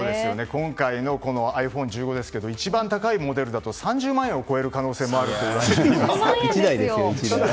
今回のｉＰｈｏｎｅ１５ですが一番高いモデルだと３０万円を超える可能性もあるといわれています。